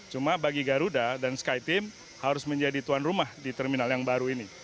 cuma bagi garuda dan sky team harus menjadi tuan rumah di terminal yang baru ini